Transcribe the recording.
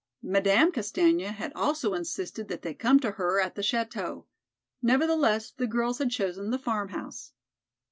Madame Castaigne had also insisted that they come to her at the chateau; nevertheless, the girls had chosen the farmhouse.